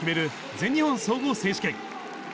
全日本総合選手権。